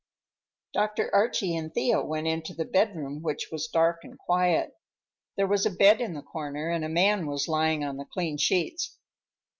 Dr. Archie and Thea went into the bedroom, which was dark and quiet. There was a bed in the corner, and a man was lying on the clean sheets.